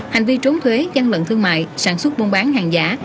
hành vi trốn thuế gian lận thương mại sản xuất buôn bán hàng giả